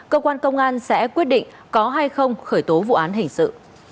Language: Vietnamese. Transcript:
cơ quan công an sẽ quyết định có hay không khởi tố vụ án hình sự